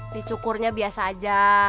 dicukurnya biasa aja